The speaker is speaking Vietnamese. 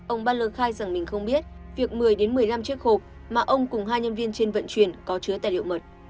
ông baler khai rằng mình không biết việc một mươi một mươi năm chiếc hộp mà ông cùng hai nhân viên trên vận chuyển có chứa tài liệu mật